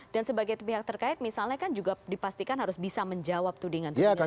dan sebagai pihak terkait misalnya kan juga dipastikan harus bisa menjawab tudingan tudingan itu kan